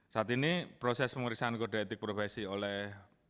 saat ini proses pemeriksaan kode etik profesi oleh